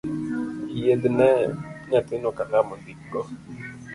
Yiedhne nyathino kalam ondikgo.